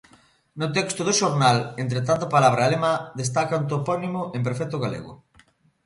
No texto do xornal, entre tanta palabra alemá, destaca un topónimo en perfecto galego.